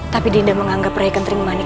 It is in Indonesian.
tapi dinda menganggap rai gentrimani